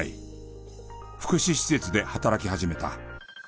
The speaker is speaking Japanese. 福祉施設で働き始めた。